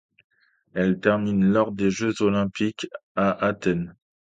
Elle termine lors des Jeux olympiques à Athènes.